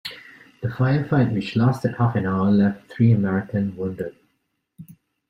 The firefight, which lasted half an hour, left three American wounded.